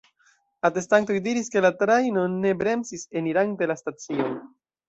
Atestantoj diris, ke la trajno ne bremsis enirante la stacion.